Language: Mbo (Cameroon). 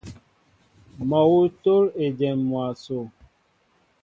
Mol awŭ tól ejém mwaso.